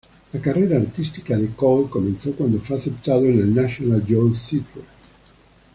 La carrera artística de Cole comenzó cuando fue aceptado en el National Youth Theatre.